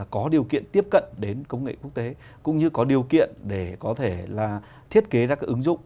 có điều kiện tiếp cận đến công nghệ quốc tế cũng như có điều kiện để có thể là thiết kế ra cái ứng dụng